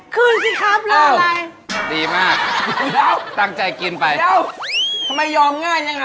คืนสิครับเล่าอะไรอ้าวดีมากตั้งใจกินไปอ้าวทำไมยอมง่ายยังอ่ะ